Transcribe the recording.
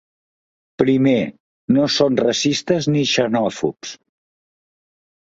Primer, no són racistes ni xenòfobs.